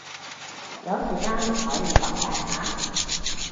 有時間可以講解下？